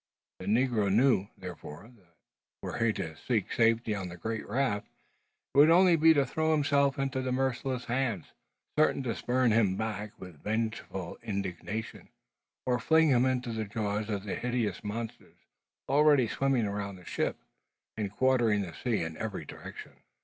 The negro knew, therefore, that, were he to seek safety on the great raft, it would only be to throw himself into merciless hands, certain to spurn him back with vengeful indignation, or fling him into the jaws of the hideous monsters already swimming around the ship, and quartering the sea in every direction.